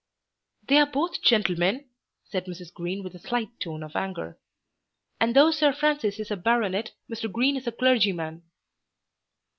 "They are both gentlemen," said Mrs. Green with a slight tone of anger. "And though Sir Francis is a baronet, Mr. Green is a clergyman."